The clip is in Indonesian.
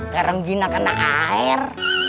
keren gina kena air